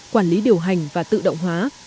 quản lý điều hành và tự động hóa